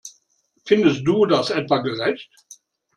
Findest du das etwa gerecht?